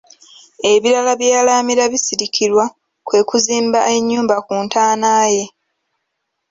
Ebirala bye yalaamira Bisirikirwa kwe kuzimba ennyumba ku ntaana ye.